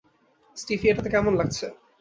স্টিফি, এটাতে কেমন লাগছে?